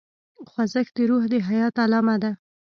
خوځښت د روح د حیات علامه ده.